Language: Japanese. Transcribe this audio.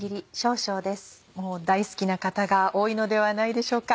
大好きな方が多いのではないでしょうか。